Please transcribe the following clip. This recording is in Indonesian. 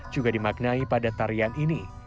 juga dimaknai pada tarian ini